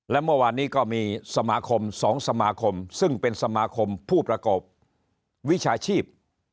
และเมื่อวานนี้ก็มีสมาคม๒สมาคมซึ่งเป็นสมาคมผู้ประกอบวิชาชีพ